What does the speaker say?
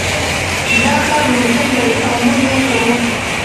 دا کار ممکن دی او موږ یې کوو.